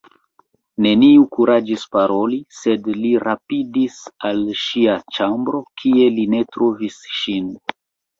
Neniu kuraĝis paroli, sed li rapidis al ŝia ĉambro, kie li ne trovis ŝin.